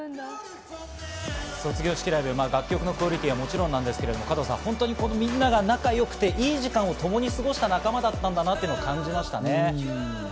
卒業式ライブ、楽曲のクオリティーはもちろんなんですけれども、みんなが仲良くて、いい時間をともに過ごした仲間だったんだなと感じましたね。